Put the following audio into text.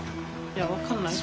いや分かんない。